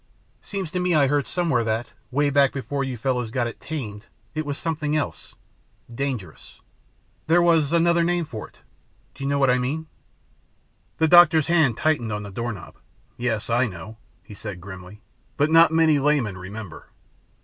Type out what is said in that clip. Seems to me I heard somewhere that, way back before you fellows got it 'tamed' it was something else dangerous. There was another name for it. Do you know what I mean?" The doctor's hand tightened on the doorknob. "Yes, I know," he said grimly, "but not many laymen remember.